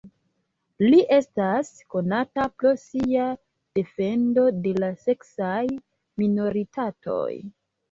Li estas konata pro sia defendo de la seksaj minoritatoj.